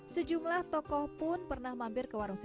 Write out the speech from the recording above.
sejumlah tokoh pun pernah mampir ke warung